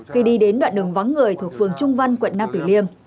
khi đi đến đoạn đường vắng người thuộc phường trung văn quận nam tử liêm